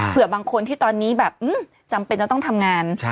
บางคนที่ตอนนี้แบบจำเป็นจะต้องทำงาน